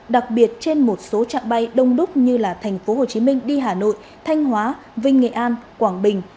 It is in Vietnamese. đặc biệt trên một số trạng bay đông đúc như thành phố hồ chí minh đi hà nội thanh hóa vinh nghệ an quảng bình